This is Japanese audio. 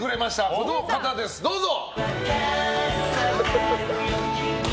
この方です、どうぞ！